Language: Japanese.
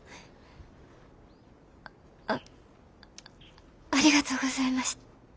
あありがとうございました。